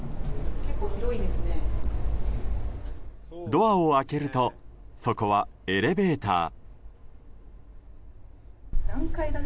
ドアを開けるとそこはエレベーター。